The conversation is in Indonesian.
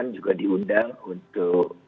yang juga diundang untuk